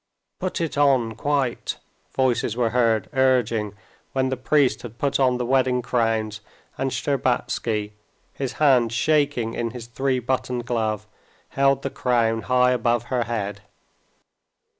"Put it on quite," voices were heard urging when the priest had put on the wedding crowns and Shtcherbatsky, his hand shaking in its three button glove, held the crown high above her head.